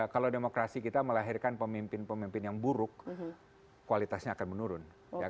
kalau demokrasi kita melahirkan pemimpin pemimpin yang buruk kualitasnya akan menurun